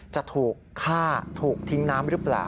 จะถูกฆ่าถูกทิ้งน้ำหรือเปล่า